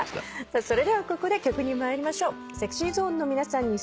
それではここで曲に参りましょう。